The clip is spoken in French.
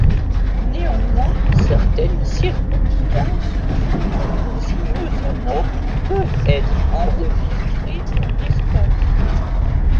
Néanmoins certaines circonstances font que des signaux sonores peuvent être enregistrés dans l'espace.